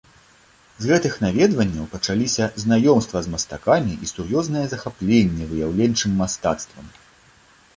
З гэтых наведванняў пачаліся знаёмства з мастакамі і сур'ёзнае захапленне выяўленчым мастацтвам.